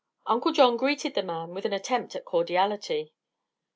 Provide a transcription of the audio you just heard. Uncle John greeted the man with an attempt at cordiality.